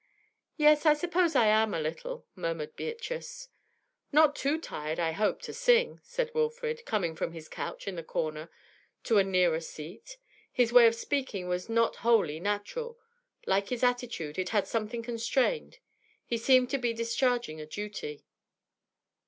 'Yes, I suppose I am, a little,' murmured Beatrice. 'Not too tired, I hope, to sing,' said Wilfrid, coming from his couch in the corner to a nearer seat. His way of speaking was not wholly natural; like his attitude, it had something constrained; he seemed to be discharging a duty.